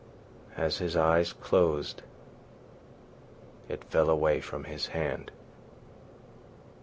As his eyes closed it fell away from his hand.